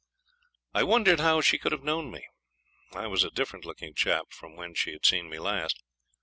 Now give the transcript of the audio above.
I wondered how she could have known me. I was a different looking chap from when she had seen me last.